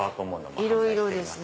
いろいろですね。